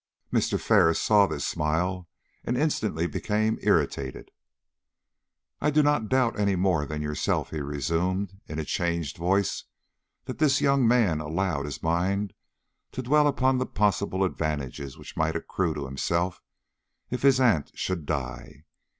Mr. Ferris saw this smile and instantly became irritated. "I do not doubt any more than yourself," he resumed, in a changed voice, "that this young man allowed his mind to dwell upon the possible advantages which might accrue to himself if his aunt should die.